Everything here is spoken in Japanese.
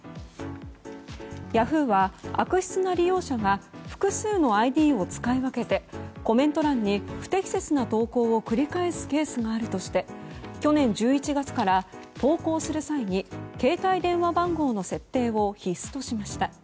ヤフーは悪質な利用者が複数のＩＤを使い分けてコメント欄に不適切な投稿を繰り返すケースがあるとして去年１１月から、投稿する際に携帯電話番号の設定を必須としました。